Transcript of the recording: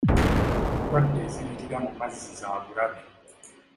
Endwadde eziyitira mu mazzi za bulabe.